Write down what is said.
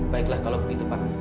baiklah kalau begitu pak